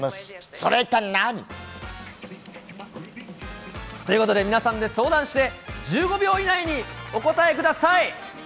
それは一体何？ということで、皆さんで相談して、１５秒以内にお答えください。